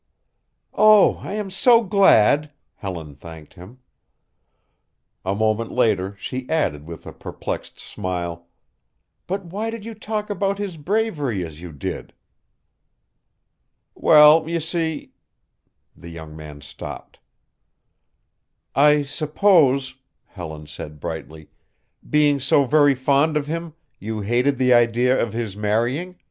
"Oh, I am so glad!" Helen thanked him. A moment later she added with a perplexed smile: "But why did you talk about his bravery as you did?" "Well, you see" the young man stopped. "I suppose," Helen suggested brightly, "being so very fond of him, you hated the idea of his marrying.